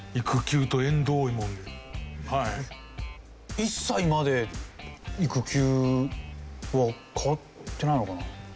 １歳まで育休は変わってないのかな？